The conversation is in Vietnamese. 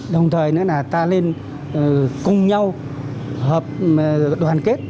đồng thời nữa là ta lên cùng nhau hợp đoàn kết